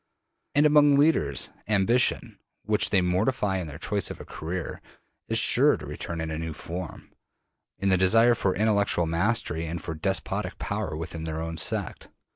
And among leaders, ambition, which they mortify in their choice of a career, is sure to return in a new form: in the desire for intellectual mastery and for despotic power within their own sect.